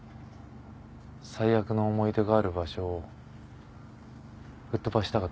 最悪の思い出がある場所を吹っ飛ばしたかったんだよ。